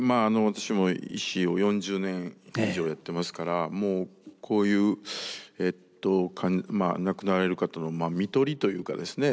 私も医師を４０年以上やってますからもうこういう亡くなられる方の看取りというかですね